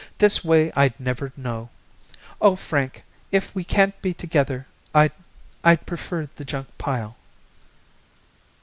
This way I'd never know. Oh, Frank, if we can't be together I'd I'd prefer the junk pile."